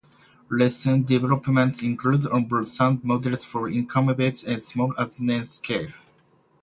Recent developments include on-board sound modules for locomotives as small as N scale.